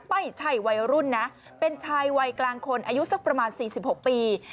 ไม่ใช่วัยรุ่นนะเป็นชายวัยกลางคนอายุสักประมาณ๔๖ปี